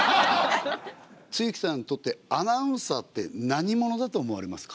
露木さんにとってアナウンサーって何者だと思われますか？